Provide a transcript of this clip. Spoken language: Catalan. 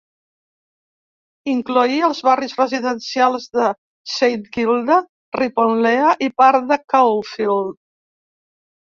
Incloïa els barris residencials de Saint Kilda, Ripponlea i part de Caulfield.